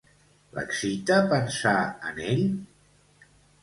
L'excita pensar en ell?